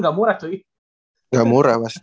gak murah coy gak murah pasti